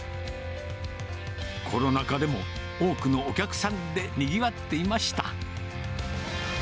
コロナ禍でも多くのお客さんでにぎわっていました。